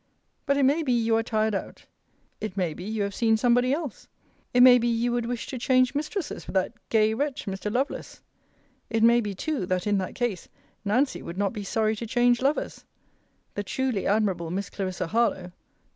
But it mat be you are tired out. It may be you have seen somebody else it may be you would wish to change mistresses with that gay wretch Mr. Lovelace. It may be too, that, in that case, Nancy would not be sorry to change lovers The truly admirable Miss Clarissa Harlowe!